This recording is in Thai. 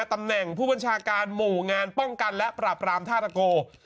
ตำแหน่งผู้บัญชาการหมู่งานป้องกันและปราบรามท่าตะโก